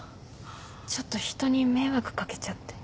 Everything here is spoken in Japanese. ちょっと人に迷惑掛けちゃって。